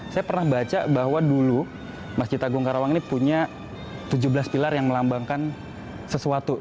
saya pernah baca bahwa dulu masjid agung karawang ini punya tujuh belas pilar yang melambangkan sesuatu